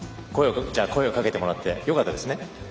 声をかけてもらってよかったですね。